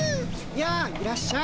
やあいらっしゃい。